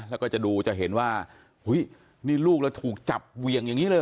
แล้วก็จะดูจะเห็นว่านี่ลูกแล้วถูกจับเวียงอย่างนี้เลยเหรอ